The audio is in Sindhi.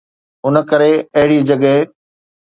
ان ڪري اهڙي جڳهه